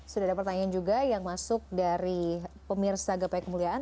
sudah ada pertanyaan juga yang masuk dari pemirsa gapai kemuliaan